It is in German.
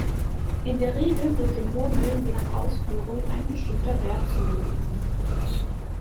In der Regel wird den Murmeln je nach Ausführung ein bestimmter Wert zugewiesen.